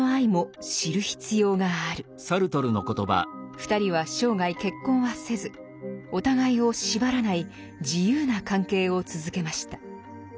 ２人は生涯結婚はせずお互いを縛らない自由な関係を続けました。